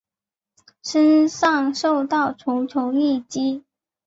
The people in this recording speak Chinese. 身上受到重重一击